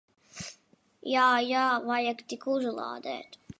Jā. Jā. Vajag tik uzlādēt.